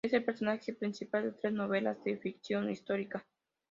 Es el personaje principal de tres novelas de ficción histórica.